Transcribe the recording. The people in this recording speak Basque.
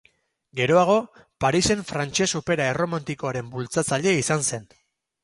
Geroago Parisen frantses opera erromantikoaren bultzatzaile izan zen.